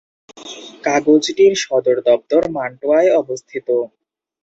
কাগজটির সদর দপ্তর মান্টুয়ায় অবস্থিত।